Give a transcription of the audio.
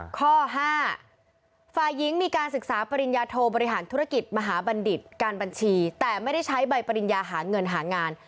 ข้อ๕ฝ่ายหญิงมีการศึกษาปริญญาโทบริหารธุรกิจมหาบัณฑิตการบัญชีแต่ไม่ได้ใช้ใบปริญญาหาเงินหางาน